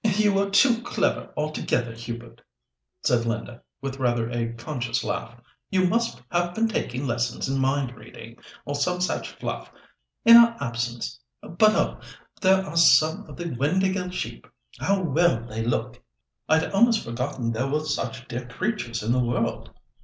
'" "You are too clever altogether, Hubert," said Linda, with rather a conscious laugh. "You must have been taking lessons in mind reading, or some such stuff, in our absence. But oh! there are some of the Windāhgil sheep. How well they look! I'd almost forgotten there were such dear creatures in the world."